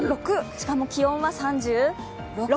しかも気温は３０６！